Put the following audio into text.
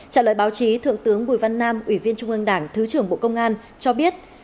trả lời báo chí thượng tướng bùi văn nam ủy viên trung ương đảng thứ trưởng bộ công an cho biết